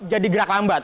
jadi gerak lambat